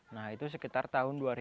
nah itu sekitar tahun dua ribu